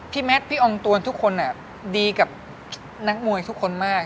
แมทพี่อองตวนทุกคนดีกับนักมวยทุกคนมาก